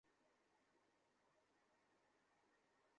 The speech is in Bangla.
এর জন্য তারা আমাকে কথা শোনাবে।